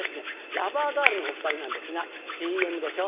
ラバーガールのお２人なんですがＣＭでしょ